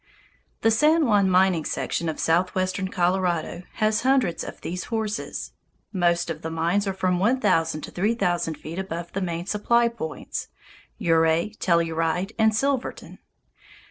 The San Juan mining section of southwestern Colorado has hundreds of these horses. Most of the mines are from one thousand to three thousand feet above the main supply points, Ouray, Telluride, and Silverton.